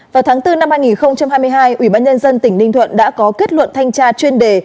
vào tháng bốn năm hai nghìn hai mươi hai ủy ban nhân dân tỉnh ninh thuận đã có kết luận thanh tra chuyên đề